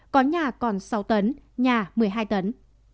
có nhà còn sáu tấn nhà một mươi hai tấn